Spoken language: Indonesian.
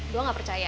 gue gak percaya